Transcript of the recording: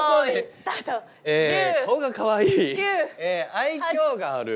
愛きょうがある。